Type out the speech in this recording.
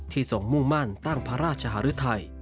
ที่ส่งหมู่บ้านตั้งพระราชหารุธัย